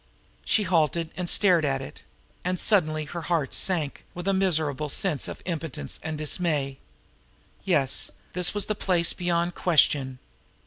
She halted and stared at it and suddenly her heart sank with a miserable sense of impotence and dismay. Yes, this was the place beyond question.